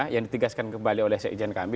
yang ditegaskan kembali oleh sekjen kami